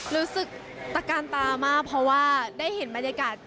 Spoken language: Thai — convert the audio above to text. รู้สึกตะกานตามากเพราะว่าได้เห็นบรรยากาศ